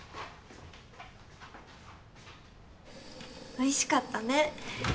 おいしかったね。